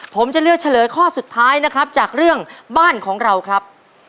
ผมจะเลือกเฉลยข้อสุดท้ายนะครับจากเรื่องบ้านของเราครับ